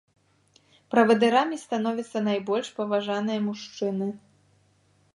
Правадырамі становяцца найбольш паважаныя мужчыны.